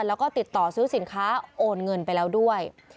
แล้วก็ติดต่อซื้อสินค้าโอนเงินไปแล้วด้วย